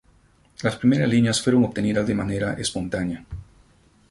Las primeras líneas fueron obtenidas de manera espontánea.